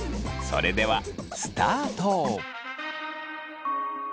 それではスタート！